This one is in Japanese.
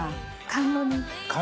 甘露煮！